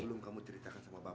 belum kamu ceritakan sama bapak